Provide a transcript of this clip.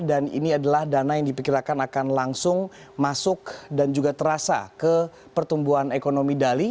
dan ini adalah dana yang diperkirakan akan langsung masuk dan juga terasa ke pertumbuhan ekonomi bali